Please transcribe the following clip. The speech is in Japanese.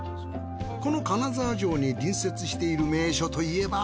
この金沢城に隣接している名所といえば。